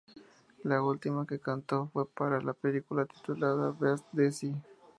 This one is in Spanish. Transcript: La última que cantó fue para la película titulada "Beat Desi".